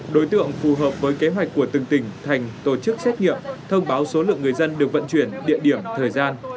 đối tượng phù hợp với kế hoạch của từng tỉnh thành tổ chức xét nghiệm thông báo số lượng người dân được vận chuyển địa điểm thời gian